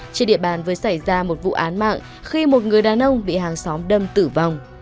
trên địa bàn vừa xảy ra một vụ án mạng khi một người đàn ông bị hàng xóm đâm tử vong